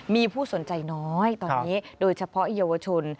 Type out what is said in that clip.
มีผู้สนใจน้อยตอนนี้โดยเฉพาะเยาวชน